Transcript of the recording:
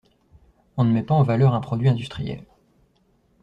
On ne met pas en valeur un produit industriel.